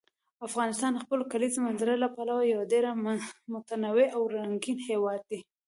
افغانستان د خپلو کلیزو منظره له پلوه یو ډېر متنوع او رنګین هېواد دی.